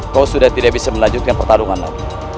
kau sudah tidak bisa melanjutkan pertarungan lagi